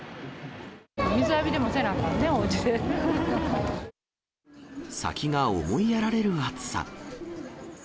水浴びでもせなあかんね、先が思いやられる暑さ。